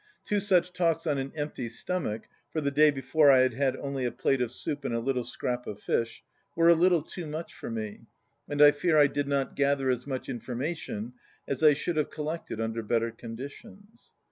Two such talks on an empty stomach (for the day before I had had only a plate of soup and a little scrap of fish) were a little too much for me, and I fear I did not gather as much information as I should have collected under bet ter conditions.